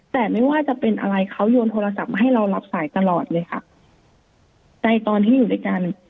แต่ไม่ว่าจะเป็นอะไรเขาโยนโทรศัพท์มาให้เรารับสายตลอดเลยค่ะในตอนที่อยู่ด้วยกัน